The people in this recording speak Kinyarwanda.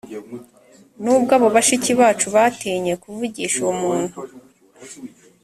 nubwo abo bashiki bacu batinye kuvugisha uwo muntu